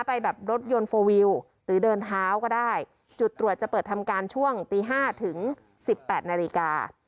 ไปแบบรถยนต์โฟลวิวหรือเดินเท้าก็ได้จุดตรวจจะเปิดทำการช่วงตีห้าถึงสิบแปดนาฬิกา